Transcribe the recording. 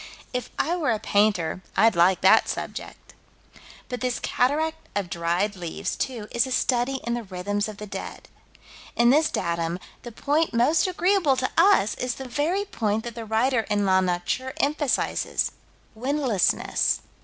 If I were a painter, I'd like that subject. But this cataract of dried leaves, too, is a study in the rhythms of the dead. In this datum, the point most agreeable to us is the very point that the writer in La Nature emphasizes. Windlessness.